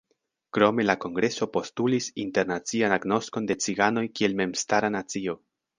Krome la kongreso postulis internacian agnoskon de ciganoj kiel memstara nacio.